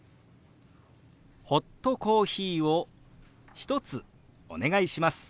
「ホットコーヒーを１つお願いします」。